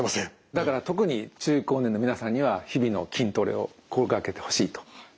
だから特に中高年の皆さんには日々の筋トレを心がけてほしいと思います。